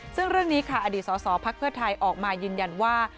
ซึ่งเรื่องนี้ค่ะอดีตสสพักเพื่อไทยออกมายืนยันว่า